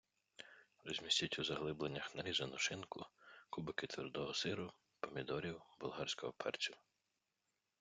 розмістіть у заглибленнях нарізану шинку, кубики твердого сиру, помідорів, болгарського перцю.